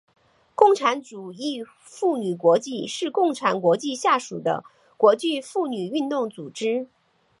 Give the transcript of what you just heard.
共产主义妇女国际是共产国际下属的国际妇女运动组织。